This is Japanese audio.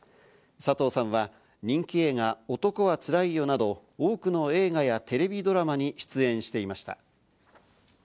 佐藤さんは人気映画『男はつらいよ』など多くの映画やテレビドラマに出演していました。